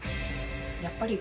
やっぱり。